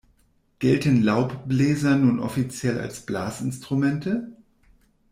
Gelten Laubbläser nun offiziell als Blasinstrumente?